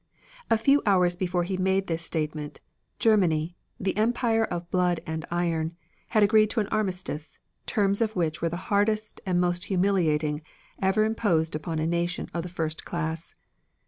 A few hours before he made this statement, Germany, the empire of blood and iron, had agreed to an armistice, terms of which were the hardest and most humiliating ever imposed upon a nation of the first class.